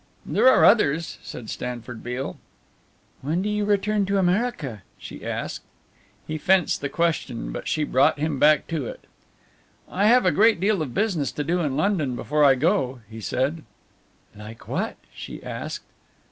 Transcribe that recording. "There are others," said Stanford Beale. "When do you return to America?" she asked. He fenced the question, but she brought him back to it. "I have a great deal of business to do in London before I go," he said. "Like what?" she asked.